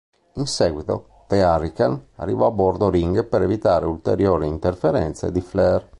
In seguito, The Hurricane arrivò a bordo ring per evitare ulteriori interferenze di Flair.